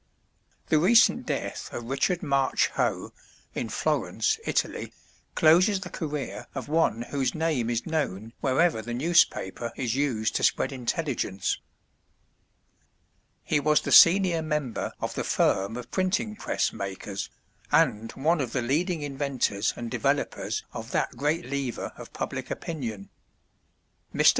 The recent death of Richard March Hoe, in Florence, Italy, closes the career of one whose name is known wherever the newspaper is used to spread intelligence. He was the senior member of the firm of printing press makers, and one of the leading inventors and developers of that great lever of public opinion. Mr.